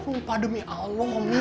mumpah demi allah